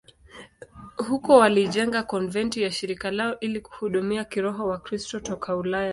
Huko walijenga konventi ya shirika lao ili kuhudumia kiroho Wakristo toka Ulaya tu.